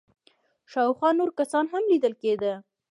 شاوخوا نور کسان هم ليدل کېدل.